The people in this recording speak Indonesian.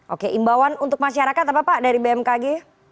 oke imbauan untuk masyarakat apa pak dari bmkg